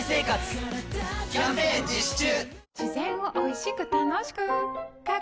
キャンペーン実施中！